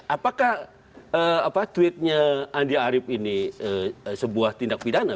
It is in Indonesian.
apakah tweetnya andi arief ini sebuah tindak pidana